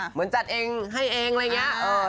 เหมือนจัดเองให้เองอะไรอย่างนี้